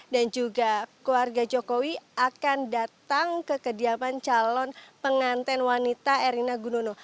dan juga keluarga jokowi akan datang ke kediaman calon pengantin wanita erina gununo